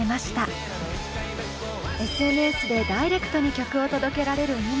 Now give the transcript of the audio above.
ＳＮＳでダイレクトに曲を届けられる今。